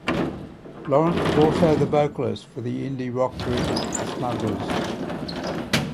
Lawrence was also the vocalist for the indie rock group The Smugglers.